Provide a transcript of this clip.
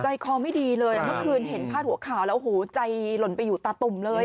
ใจคอไม่ดีเลยเมื่อคืนเห็นพาดหัวข่าวแล้วหูใจหล่นไปอยู่ตาตุ่มเลย